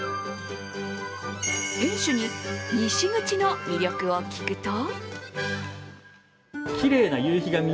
店主に西口の魅力を聞くと？